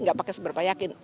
gak pakai seberapa yakin